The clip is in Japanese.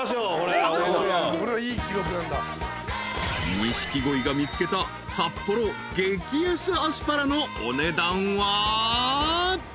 ［錦鯉が見つけた札幌激安アスパラのお値段は］